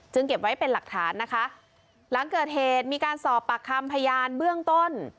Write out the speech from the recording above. เก็บไว้เป็นหลักฐานนะคะหลังเกิดเหตุมีการสอบปากคำพยานเบื้องต้น